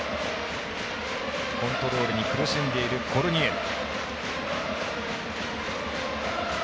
コントロールに苦しんでいるコルニエル。